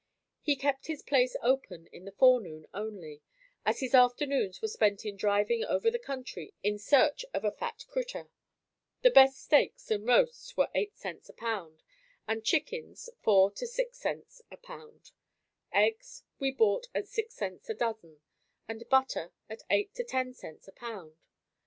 He kept his place open in the forenoon only, as his afternoons were spent in driving over the country in search of a "fat critter." The best steaks and roasts were 8c a pound and chickens 4 to 6c a pound. Eggs, we bought at 6c a dozen and butter at 8 to 10c a pound.